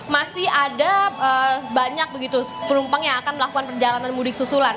masih ada banyak begitu penumpang yang akan melakukan perjalanan mudik susulan